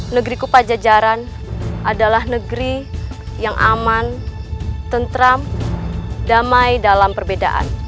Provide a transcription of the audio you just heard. negeri kupajajaran adalah negeri yang aman tentram damai dalam perbedaan